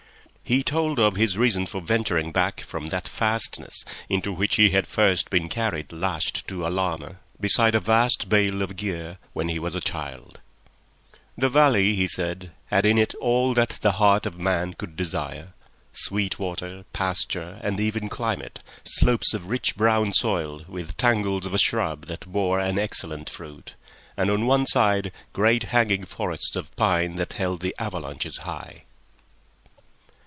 He told of his reason for venturing back from that fastness, into which he had first been carried lashed to a llama, beside a vast bale of gear, when he was a child. The valley, he said, had in it all that the heart of man could desire—sweet water, pasture, an even climate, slopes of rich brown soil with tangles of a shrub that bore an excellent fruit, and on one side great hanging forests of pine that held the avalanches high.